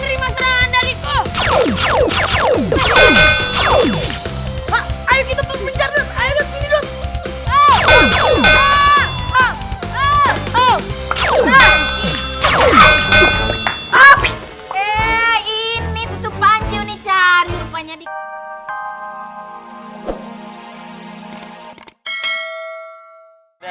ini tutup panci ini cari rupanya